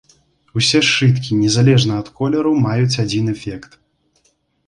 Усе сшыткі, незалежна ад колеру, маюць адзін эфект.